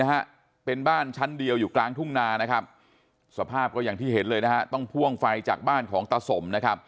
คุณยายบีเป็นบ้านชั้นเดียวอยู่กลางทุ่งนาสภาพก็อย่างที่เห็นเลยต้องพ่วงไฟจากบ้านของตะสม